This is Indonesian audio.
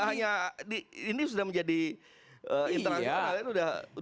karena ini sudah menjadi international